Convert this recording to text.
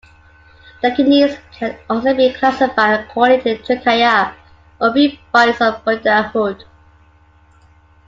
Dakinis can also be classified according to the Trikaya, or three bodies of buddhahood.